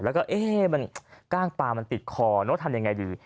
แล้วก็เอ๊ะมันกล้างปลามันติดคอเนอะทำยังไงดี